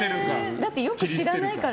だってよく知らないから。